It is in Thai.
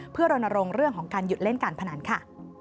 เพื่อรณรงค์เรื่องของการหยุดเล่นการพนันค่ะ